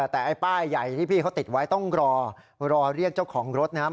แต่ไอ้ป้ายใหญ่ที่พี่เขาติดไว้ต้องรอรอเรียกเจ้าของรถนะครับ